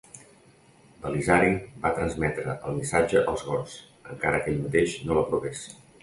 Belisari va transmetre el missatge als gots, encara que ell mateix no l'aprovés.